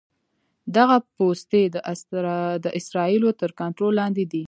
دغه پوستې د اسرائیلو تر کنټرول لاندې دي.